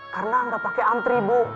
karena enggak pakai antri ibu